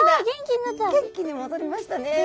元気に戻りましたね。